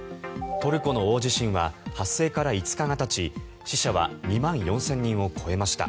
トルコの大地震は発生から５日がたち死者は２万４０００人を超えました。